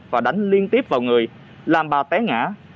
và đánh liên tiếp vào người làm bà té ngã